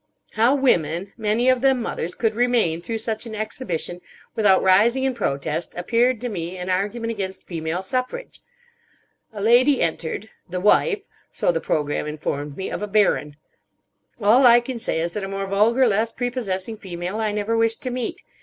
How women—many of them mothers—could remain through such an exhibition without rising in protest appeared to me an argument against female suffrage. A lady entered, the wife, so the programme informed me, of a Baron! All I can say is that a more vulgar, less prepossessing female I never wish to meet.